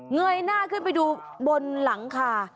เงยหน้าขึ้นไปดูบนหลังคา